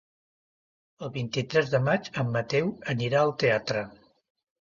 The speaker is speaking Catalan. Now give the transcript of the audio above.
El vint-i-tres de maig en Mateu anirà al teatre.